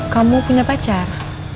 kamu punya pacar